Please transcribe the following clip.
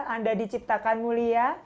anda diciptakan mulia